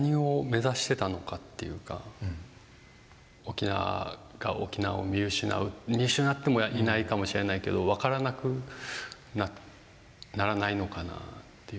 沖縄が沖縄を見失う見失ってもいないかもしれないけど分からなくならないのかなっていう。